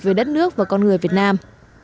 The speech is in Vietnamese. về đất nước và con người việt nam